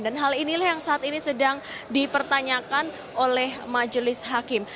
hal inilah yang saat ini sedang dipertanyakan oleh majelis hakim